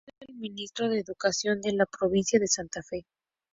Asesor del Ministro de Educación de la Provincia de Santa Fe.